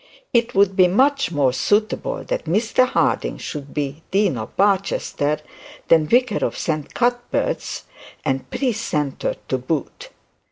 It would be much more suitable that Mr Harding should be dean of Barchester than vicar of St Cuthbert's and precentor to boot.